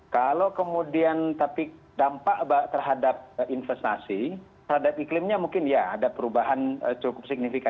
kalau kemudian tapi dampak terhadap investasi terhadap iklimnya mungkin ya ada perubahan cukup signifikan